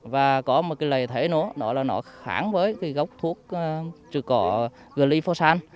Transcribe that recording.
và có một cái lợi thế nữa đó là nó kháng với gốc thuốc trừ cỏ glyphosate